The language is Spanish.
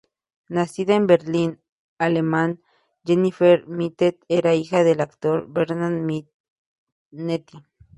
Nacida en Berlín, Alemania, Jennifer Minetti era hija del actor Bernhard Minetti.